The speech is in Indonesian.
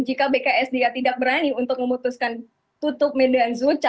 jika bks tidak berani untuk memutuskan tutup medan zoo cabut izin lhu